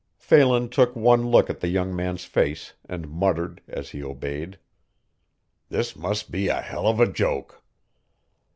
Phelan took one look at the young man's face and muttered as he obeyed. "This must be a hell of a joke."